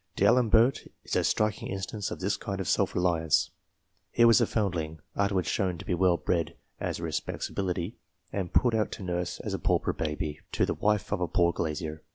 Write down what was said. D'Alem bert is a striking instance of this kind of self reliance. TWO CLASSIFICATIONS 39 was a foundling (afterwards shown to be well bred as respects ability), and put out to nurse as a pauper baby, to the wife of a poor glazier.